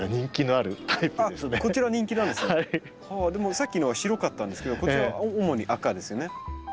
さっきのは白かったんですけどこちらは主に赤ですよね。